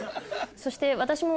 そして私も。